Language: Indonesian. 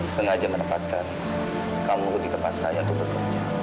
sengaja menempatkan kamu di tempat saya untuk bekerja